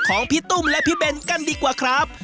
ของพี่ตุ้มและพี่เบนกันดีกว่าครับ